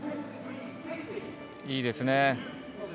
いいですね。